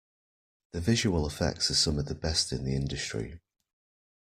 The visual effects are some of the best in the industry.